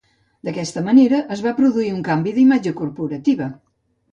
D'aquesta manera es va produir un canvi d'imatge corporativa.